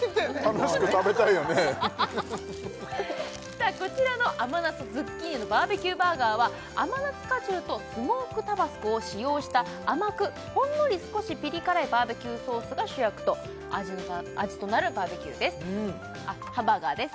楽しく食べたいよねこちらの甘夏ズッキーニのバーベキューバーガーは甘夏果汁とスモークタバスコを使用した甘くほんのり少しピリ辛いバーベキューソースが主役と味となるハンバーガーです